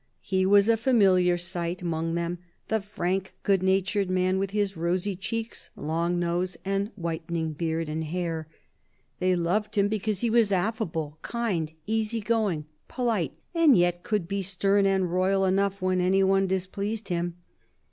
He was a familiar sight among them, the frank, good natured man, with his rosy cheeks, long nose, and whiten ing beard and hair. They loved him because he was affable, kind, easy going, polite, and yet could be stern and royal enough when any one displeased him.